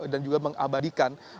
dan juga mengabadikan